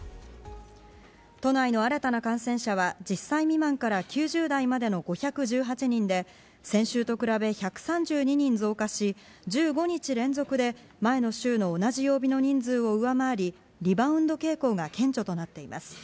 都内の新たな感染者は１０歳未満から９０代までの５１８人で先週と比べ１３２人増加し１５日連続で前の週の同じ曜日の人数を上回りリバウンド傾向が顕著となっています。